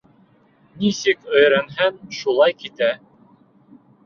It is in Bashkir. Нисек өйрәнһәң, шулай китә.